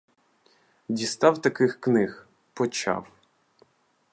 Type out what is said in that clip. Дістав таких книг, почав.